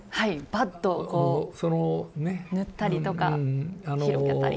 パッとこう塗ったりとか広げたり。